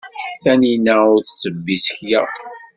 Tanina ur tettebbi isekla.